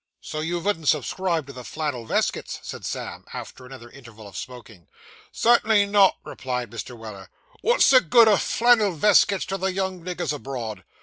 'So you vouldn't subscribe to the flannel veskits?' said Sam, after another interval of smoking. 'Cert'nly not,' replied Mr. Weller; 'what's the good o' flannel veskits to the young niggers abroad?